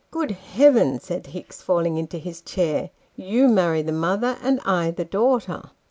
Good Heaven !" said Hicks, falling into his chair :" You marry the mother, and I the daughter